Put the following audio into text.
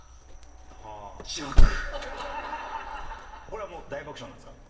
これはもう大爆笑なんですか？